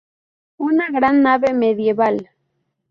Una gran nave medieval.